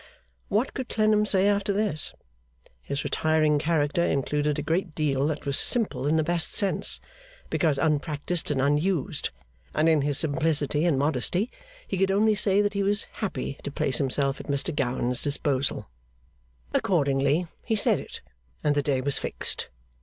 What could Clennam say after this? His retiring character included a great deal that was simple in the best sense, because unpractised and unused; and in his simplicity and modesty, he could only say that he was happy to place himself at Mr Gowan's disposal. Accordingly he said it, and the day was fixed.